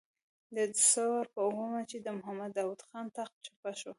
د ثور پر اوومه چې د محمد داود خان تخت چپه شو.